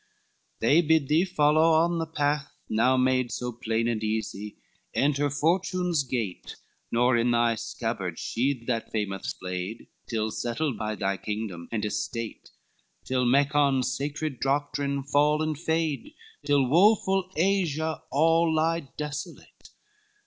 LXIX "They bid thee follow on the path, now made So plain and easy, enter Fortune's gate, Nor in thy scabbard sheathe that famous blade, Till settled by thy kingdom, and estate, Till Macon's sacred doctrine fall and fade, Till woeful Asia all lie desolate.